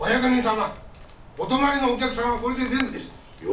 お泊まりのお客さんはこれで全部です。